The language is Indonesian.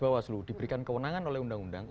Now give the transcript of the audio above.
bawaslu diberikan kewenangan oleh undang undang